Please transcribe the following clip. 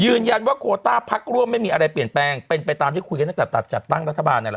ยืนยันว่ากโกรตาภักดิ์ร่วมไม่มีอะไรเปลี่ยนแปลงเป็นไปตามที่คุยกันกับจัดตั้งรัฐบาลนั้นแล้ว